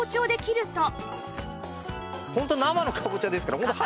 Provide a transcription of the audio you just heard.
ホント生のかぼちゃですから入らない。